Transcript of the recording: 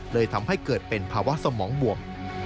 เลยทำให้เกิดเป็นภาวะสมองบวม